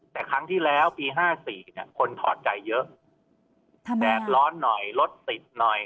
แต่ครั้งที่แล้วปี๕๔คนถอดใจเยอะแดดร้อนหน่อยรถติดหน่อย